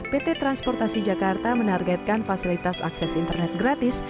pt transportasi jakarta menargetkan fasilitas akses internet gratis